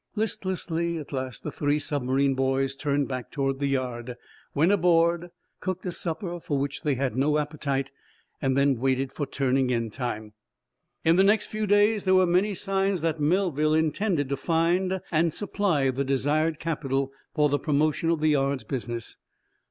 Listlessly, at last, the three submarine boys turned back toward the yard, went aboard, cooked a supper for which they had no appetite, and then waited for turning in time. In the next few days there were many signs that Melville intended to find and supply the desired capital for the promotion of the yard's business.